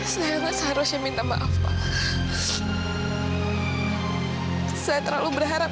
saya terlalu berharap